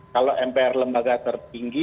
kalau mpr lembaga tertinggi